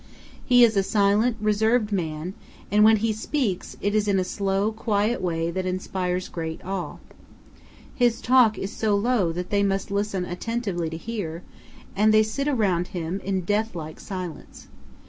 He is a silent, reserved man, and when he speaks it is in a slow, quiet way that inspires great awe. His talk is so low that they must listen attentively to hear, and they sit around him in deathlike silence.